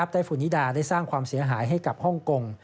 ฟูนิดาได้สร้างความเสียหายให้กับฮ่องกง